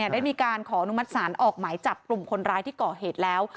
ได้มีการขออนุมัติศาลออกหมายจับกลุ่มคนร้ายที่ก่อเหตุแล้ว